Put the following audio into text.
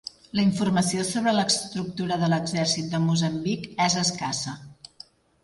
La informació sobre l'estructura de l'exèrcit de Moçambic és escassa.